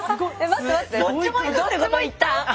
どっちもいった？